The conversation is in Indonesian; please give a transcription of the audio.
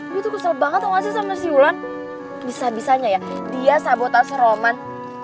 gue tuh kesel banget tau gak sih sama si ulan bisa bisanya ya dia sabotan seroman